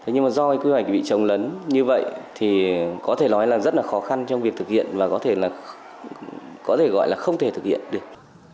nhưng do quy hoạch bị trống lấn như vậy có thể nói là rất khó khăn trong việc thực hiện và có thể gọi là không thể thực hiện được